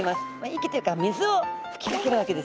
息っていうか水を吹きかけるわけですね。